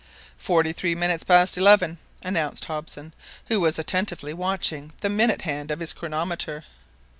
"Forty three minutes past eleven," announced Hobson, who was attentively watching the minute hand of his chronometer.